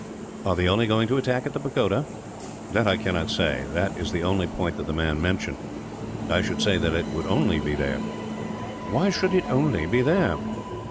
"Are they only going to attack at the pagoda?" "That I cannot say; that is the only point that the man mentioned. I should say that it would only be there." "Why should it only be there?"